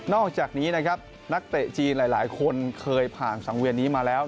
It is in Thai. อกจากนี้นะครับนักเตะจีนหลายคนเคยผ่านสังเวียนนี้มาแล้ว